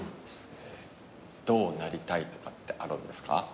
どうなりたいとかってあるんですか？